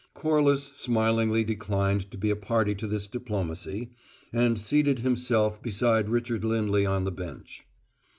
Corliss smilingly declined to be a party to this diplomacy, and seated himself beside Richard Lindley on the bench.